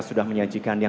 sudah tentu saja